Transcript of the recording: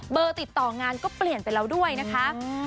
ติดต่องานก็เปลี่ยนไปแล้วด้วยนะคะ